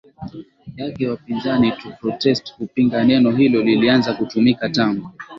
yake wapinzani to protest kupinga neno hilo lilianza kutumika tangu